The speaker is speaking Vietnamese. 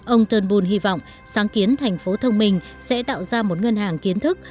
ông turnbul hy vọng sáng kiến thành phố thông minh sẽ tạo ra một ngân hàng kiến thức